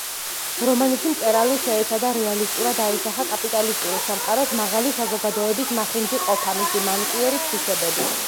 რომანში მწერალი შეეცადა რეალისტურად აესახა კაპიტალისტური სამყაროს „მაღალი საზოგადოების“ მახინჯი ყოფა, მისი მანკიერი თვისებები.